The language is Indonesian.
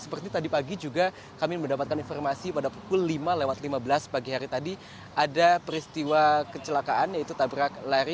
seperti tadi pagi juga kami mendapatkan informasi pada pukul lima lewat lima belas pagi hari tadi ada peristiwa kecelakaan yaitu tabrak lari